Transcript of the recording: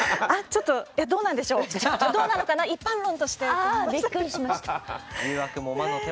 ちょっとどうなんでしょう、一般論として。びっくりしました。